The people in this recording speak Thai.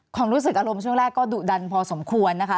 ความรู้สึกอารมณ์ช่วงแรกก็ดุดันพอสมควรนะคะ